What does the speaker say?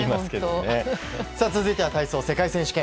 続いては体操世界選手権。